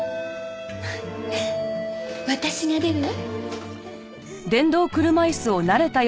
私が出るわ。